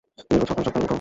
তুমি রোজ সকাল সকাল ওঠো।